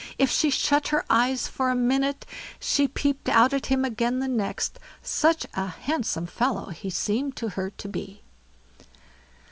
If she shut her eyes for a minute, she peeped out at him again the next, such a handsome fellow he seemed to her to be.